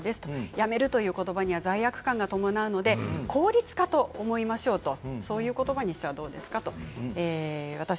やめるということばには罪悪感が伴うので効率化ということばにしたらどうですか？